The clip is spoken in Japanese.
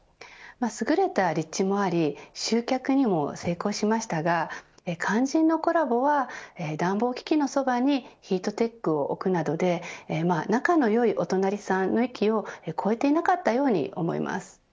優れた立地もあり集客にも成功しましたが肝心のコラボは暖房機器のそばにヒートテックを置くなので仲のよいお隣さんの域を越えていなかったように思います。